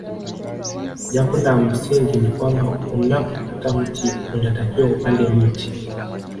Jambo la msingi ni kwamba unapokata mti unatakiwa upande mti